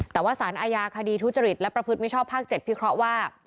แต่ว่าสารอาญาคดีทุจริตและประพฤติมิชชอบภาค๗พิเคราะห์ว่า